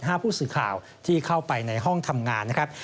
ผู้สื่อข่าวที่เข้าไปในห้องทำงานนะครับ